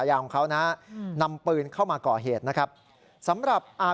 มีทั้งเล่นกำถั่วไฮโรเสือมังกรมาคะล่า